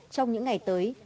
trong những ngày tới